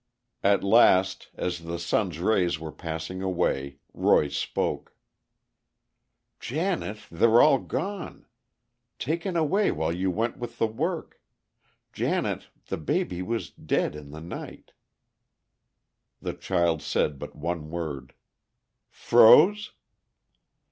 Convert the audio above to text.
At last, as the sun's rays were passing away, Roy spoke: "Janet, they're all gone! Taken away while you went with the work. Janet, the baby was dead in the night." The child said but one word, "Froze?"